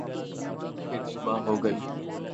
پھر صبح ہوگئی